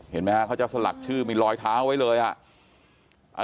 เห็นไหมฮะเขาจะสลักชื่อมีรอยเท้าไว้เลยอ่ะ